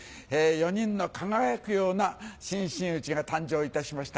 ４人の輝くような新真打が誕生いたしました。